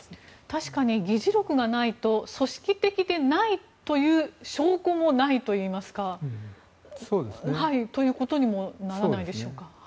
確かに議事録がないと組織的でないという証拠もないといいますかということにもならないでしょうか。